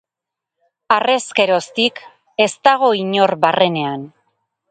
Harrezkeroztik ez dago inor barrenean.